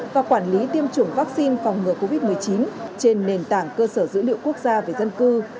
và quản lý tiêm chủng vaccine phòng ngừa covid một mươi chín trên nền tảng cơ sở dữ liệu quốc gia về dân cư